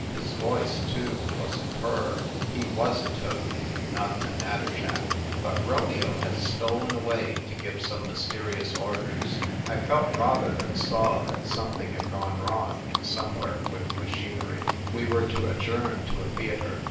His voice, too, was a purr; he was a toad, not a natter jack. But Romeo had stolen away to give some mysterious orders. I felt rather than saw that something had gone wrong somewhere with the machinery. We were to adjourn to a theatre.